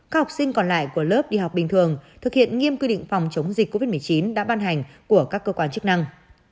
các học sinh còn lại của lớp đi học bình thường thực hiện nghiêm quy định phòng chống dịch covid một mươi chín đã ban hành của các cơ quan chức năng